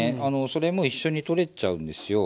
それも一緒に取れちゃうんですよ。